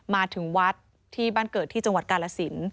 มาถึงวัดที่บ้านเกิดที่จังหวัดกาลสิน